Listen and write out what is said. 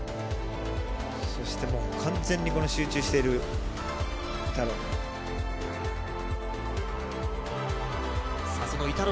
そして完全に集中しているイタロ。